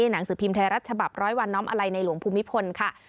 หนังสือพิมพ์ไทยรัฐฉบับร้อยวันน้อมอะไรในหลวงภูมิพลค่ะ